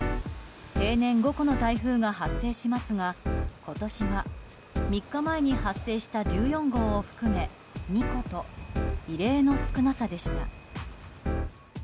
平年５個の台風が発生しますが今年は３日前に発生した１４号を含め２個と異例の少なさでした。